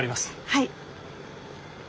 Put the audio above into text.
はい。